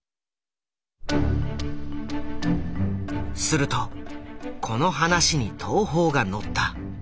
するとこの話に東宝が乗った。